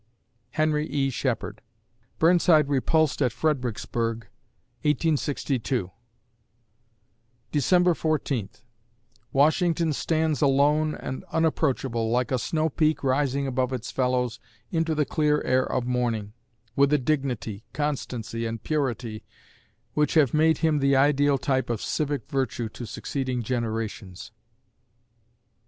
HENRY E. SHEPHERD Burnside repulsed at Fredericksburg, 1862 December Fourteenth Washington stands alone and unapproachable, like a snow peak rising above its fellows into the clear air of morning, with a dignity, constancy and purity which have made him the ideal type of civic virtue to succeeding generations.